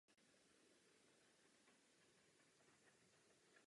To se mi zdá neuvěřitelné.